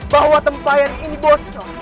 bahwa tempayan ini bocor